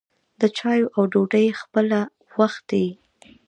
د چايو او ډوډۍ خپله وخت يي.